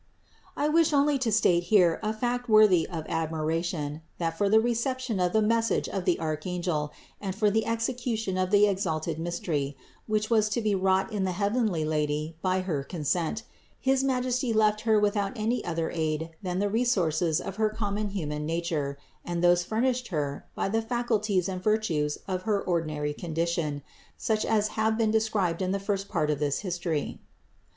119. I wish only to state here a fact worthy of admira tion, that for the reception of the message of the arch angel and for the execution of the exalted mystery, which was to be wrought in the heavenly Lady by her consent, his Majesty left Her without any other aid than the resources of her common human nature and those 98 CITY OF GOD furnished Her by the faculties and virtues of her ordi nary condition, such as have been described in the first part of this history (Part I, 674 714).